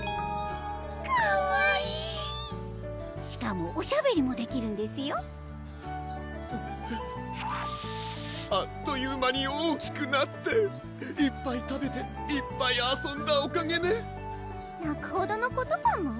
かわいいしかもおしゃべりもできるんですよあっという間に大きくなっていっぱい食べていっぱい遊んだおかげねなくほどのことパム？